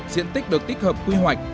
diện tích được tích hợp quy hoạch